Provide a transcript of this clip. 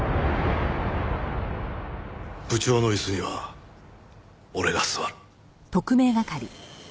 部長の椅子には俺が座る。